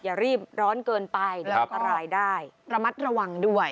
อย่ารีบร้อนเกินไปแล้วก็ระมัดระวังด้วย